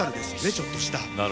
ちょっとした。